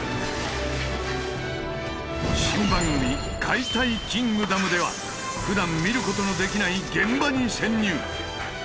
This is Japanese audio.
新番組「解体キングダム」ではふだん見ることのできない現場に潜入。